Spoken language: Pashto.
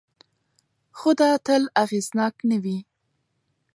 خو دا تل اغېزناک نه وي.